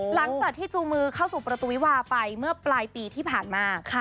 หลังจากที่จูมือเข้าสู่ประตูวิวาไปเมื่อปลายปีที่ผ่านมา